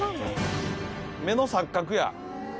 目の錯覚や。